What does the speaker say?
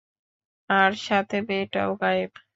আর সাথে মেয়েটাও গায়েব।